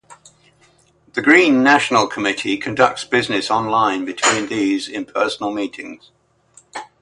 The Green National Committee conducts business online between these in person meetings.